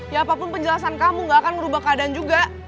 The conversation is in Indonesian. ya apapun penjelasan kamu nggak akan ngerubah keadaan juga